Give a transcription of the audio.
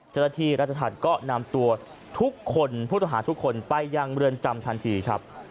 เจ้าหน้าที่รัฐฐานก็นำตัวทุกคนพุทธอาหารทุกคนไปยังเมื่อนจำทันทีครับ